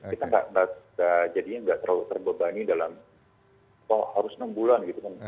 kita jadinya nggak terlalu terbebani dalam kok harus enam bulan gitu kan